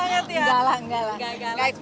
galak galak banget ya